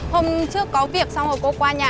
hôm trước có việc xong rồi cô qua nhà